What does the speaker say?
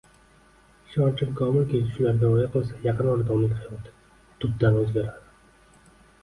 Ishonchim komilki, shularga rioya qilsa, yaqin orada uning hayoti tubdan o‘zgaradi!